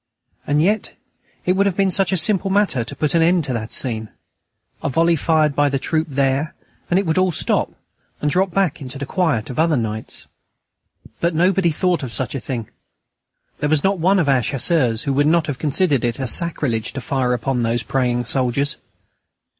And yet it would have been such a simple matter to put an end to that scene; a volley fired by the troop there, and it would all stop, and drop back into the quiet of other nights. But nobody thought of such a thing. There was not one of our Chasseurs who would not have considered it a sacrilege to fire upon those praying soldiers.